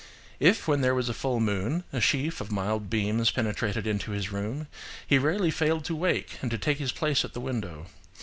"If when there was a full moon, a sheaf of mild beams penetrated into his room, he rarely failed to wake and to take his place at the window.